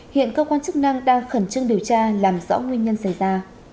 hiện cơ quan chức năng đang khẩn trương điều tra làm rõ nguyên nhân xảy ra